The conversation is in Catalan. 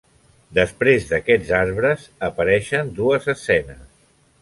Després d'aquests arbres apareixen dues escenes.